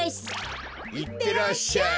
いってらっしゃい。